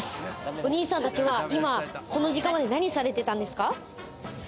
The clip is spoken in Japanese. お兄さんたちは今この時間まで何されてたんですか？